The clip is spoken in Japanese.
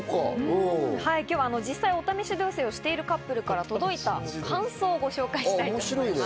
今日は実際、お試し同棲をしているカップルから届いた感想をご紹介したいと思います。